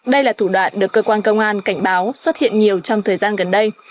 đây là thủ đoạn được cơ quan công an cảnh báo xuất hiện nhiều trong thời gian gần đây